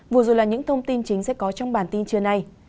vừa rồi là những thông tin chính sẽ có trong bản tin trưa nay